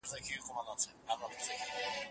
ماشومان يې بلاګاني په خوب ويني